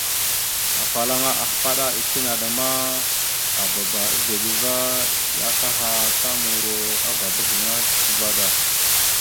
Afalaŋa ahpaɗá islé naɗ a ndaɗ ma, aababa a veɗ ava ya akaha ta muro agaba gaŋa cek vaɗ da.